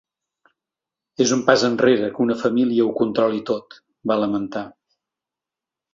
És un pas enrere que una família ho controli tot, va lamentar.